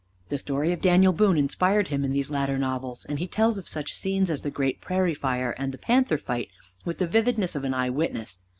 The story of Daniel Boone inspired him in these latter novels, and he tells of such scenes as the great prairie fire and the panther fight with the vividness of an eye witness.